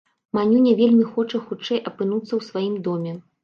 Манюня вельмі хоча хутчэй апынуцца ў сваім доме.